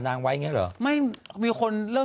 นี่นี่นี่นี่นี่นี่